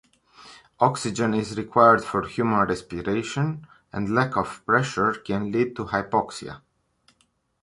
Oxygen is required for human respiration and lack of pressure can lead to hypoxia.